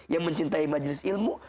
yang mencintai majlis ilmu